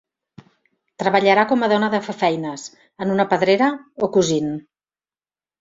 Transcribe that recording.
Treballarà com a dona de fer feines, en una pedrera, o cosint.